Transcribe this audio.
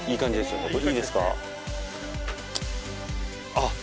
あっ。